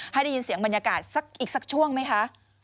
ให้ได้ยินเสียงบรรยากาศสักอีกสักช่วงไหมคะ